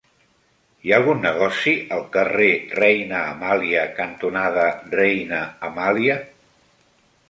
Hi ha algun negoci al carrer Reina Amàlia cantonada Reina Amàlia?